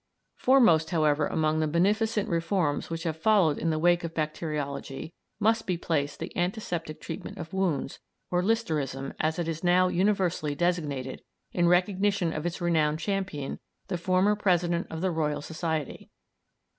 Foremost, however, among the beneficent reforms which have followed in the wake of bacteriology must be placed the antiseptic treatment of wounds, or Listerism, as it is now universally designated in recognition of its renowned champion, the former President of the Royal Society.